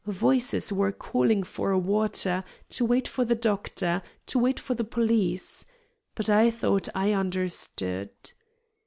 Voices were calling for water, to wait for the doctor, to wait for the police. But I thought I understood.